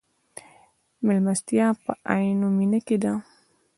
مېلمستیا په عینومېنه کې ده.